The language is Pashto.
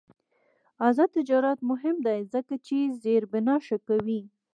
آزاد تجارت مهم دی ځکه چې زیربنا ښه کوي.